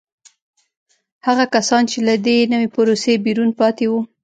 هغه کسان چې له دې نوې پروسې بیرون پاتې وو